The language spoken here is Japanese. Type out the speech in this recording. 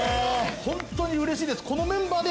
ホントにうれしいです。